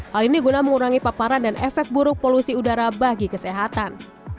hal ini guna mengurangi paparan dan efek buruk polusi udara bagi kesehatan